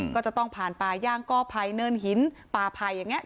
ก็จะต้องผ่านไปย่างก้อไพเนินหินปลาไพอย่างเงี้ย